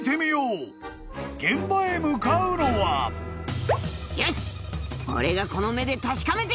［現場へ向かうのは］よし！